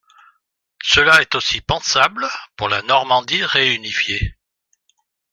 Cela est aussi pensable pour la Normandie réunifiée.